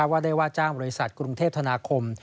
ว่าได้ว่าจ้างบริษัทกรุงเทพธนาคม